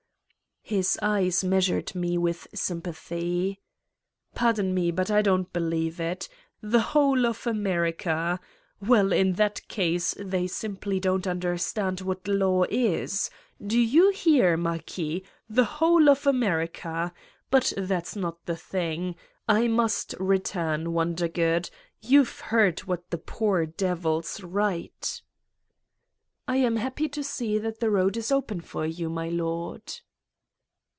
..." His eyes measured me with sympathy. "Pardon me, but I don't believe it. The whole of America! Well, in that case they simply don't understand what law is do you hear, Marquis, the whole of America! But that's not the thing. I must return, Wondergood. YouVe heard what the poor devils write?" 184 Satan's Diary "I am happy to see that the road is open for you, my lord.